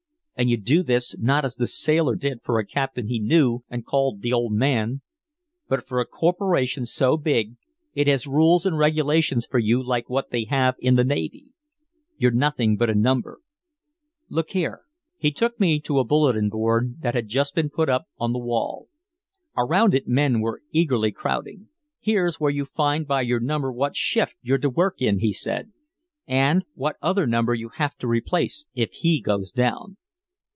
And you do this, not as the sailor did for a captain he knew and called 'the old man,' but for a corporation so big it has rules and regulations for you like what they have in the navy. You're nothing but a number. Look here." He took me to a bulletin that had just been put up on the wall. Around it men were eagerly crowding. "Here's where you find by your number what shift you're to work in," he said, "and what other number you have to replace if he goes down.